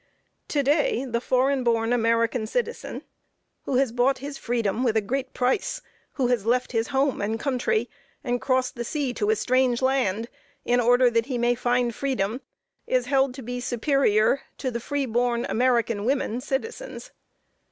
To day, the foreign born American citizen, who has bought his freedom with a great price, who has left his home and country, and crossed the sea to a strange land, in order that he may find freedom, is held to be superior to "free born" American women citizens.